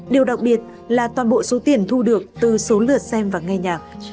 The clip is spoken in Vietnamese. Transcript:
điều đặc biệt là toàn bộ số tiền thu được từ số lượt xem và nghe nhạc